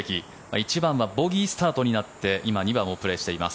１番はボギースタートになって今、２番をプレーしています。